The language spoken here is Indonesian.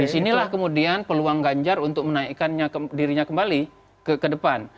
disinilah kemudian peluang ganjar untuk menaikkan dirinya kembali ke depan